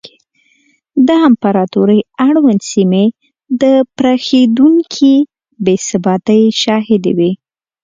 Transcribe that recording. د امپراتورۍ اړونده سیمې د پراخېدونکې بې ثباتۍ شاهدې وې.